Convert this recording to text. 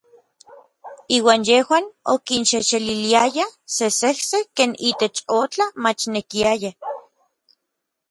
Iuan yejuan okinxejxeliliayaj sesejsej ken itech otla machnekiaya.